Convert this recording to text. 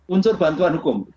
unsur bantuan hukum